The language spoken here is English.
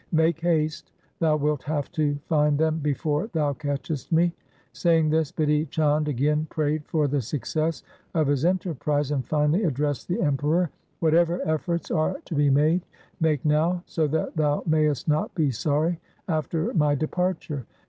Make haste. Thou wilt have to find them before thou catchest me.' Saying this, Bidhi Chand again prayed for the success of his enterprise, and finally addressedthe Emperor — 'Whatever efforts are to be made, make now, so that thou mayest not be sorry after my departure.